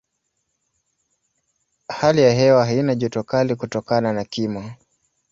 Hali ya hewa haina joto kali kutokana na kimo.